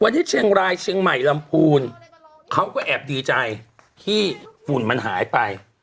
วันนี้เชียงรายเชียงใหม่ลำพูนเขาก็แอบดีใจที่ฝุ่นมันหายไป